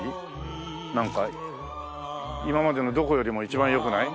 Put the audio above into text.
なんか今までのどこよりも一番よくない？